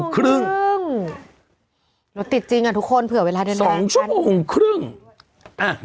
ครึ่งรถติดจริงอะทุกคนเผื่อเวลาเดินได้